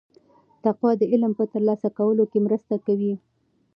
تقوا د علم په ترلاسه کولو کې مرسته کوي.